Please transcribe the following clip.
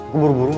gue buru buru ma